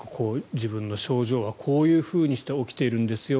自分の症状はこういうふうにして起きているんですよ